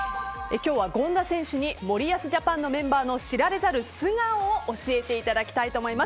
今日は権田選手に森保ジャパンのメンバーの知られざる素顔を教えていただきたいと思います。